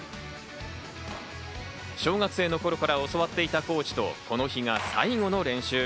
小学生の頃から教わっていたコーチと、この日が最後の練習。